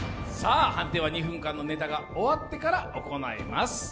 判定は２分間のネタが終わってから行います。